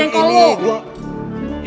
gue gak pesen ini